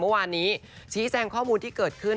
เมื่อวานนี้ชี้แจงข้อมูลที่เกิดขึ้น